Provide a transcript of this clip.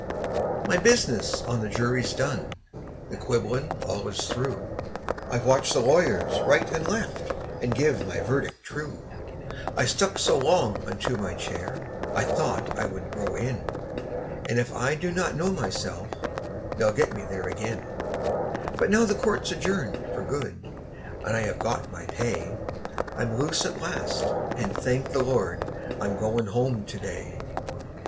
My business on the jury's done the quibblin' all is through I've watched the lawyers right and left, and give my verdict true; I stuck so long unto my chair, I thought I would grow in; And if I do not know myself, they'll get me there ag'in; But now the court's adjourned for good, and I have got my pay; I'm loose at last, and thank the Lord, I'm going home to day.